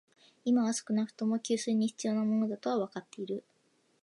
今は少なくとも、給水に必要なものだとはわかっている